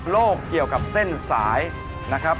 เกี่ยวกับเส้นสายนะครับ